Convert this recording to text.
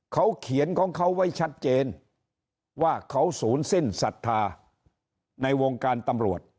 เขาเขียนของเขาไว้ชัดเจนว่าเขาศูนย์สิ้นศรัทธาในวงการตำรวจ